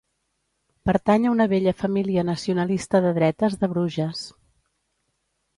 Pertany a una vella família nacionalista de dretes de Bruges.